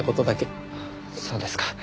そうですか。